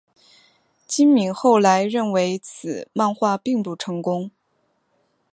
今敏后来认为此漫画并不成功。